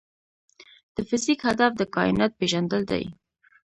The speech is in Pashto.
د فزیک هدف د کائنات پېژندل دي.